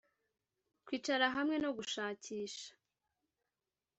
kwicara hamwe no gushakisha